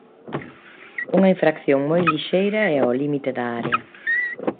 Unha infracción moi lixeira e ao límite da área.